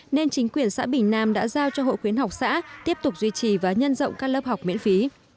nên chính quyền xã bình nam đã giao cho hội khuyến học xã tiếp tục duy trì và nhân rộng các lớp học miễn phí